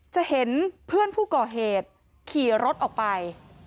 จะเห็นเพื่อนผู้ก่อเหตุขี่รถออกไป